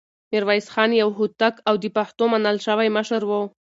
ميرويس خان يو هوتک او د پښتنو منل شوی مشر و.